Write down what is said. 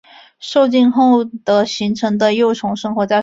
受精后的形成的幼虫生活在水中。